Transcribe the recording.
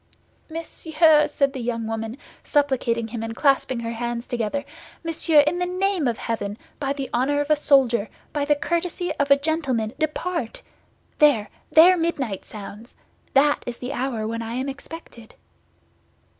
"Monsieur!" said the young woman, supplicating him and clasping her hands together, "monsieur, in the name of heaven, by the honor of a soldier, by the courtesy of a gentleman, depart! There, there midnight sounds! That is the hour when I am expected."